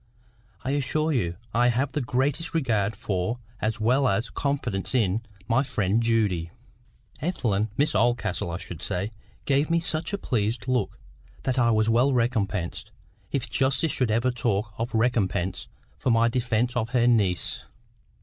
I assure you I have the greatest regard for, as well as confidence in, my friend Judy." Ethelwyn—Miss Oldcastle, I should say—gave me such a pleased look that I was well recompensed—if justice should ever talk of recompense—for my defence of her niece.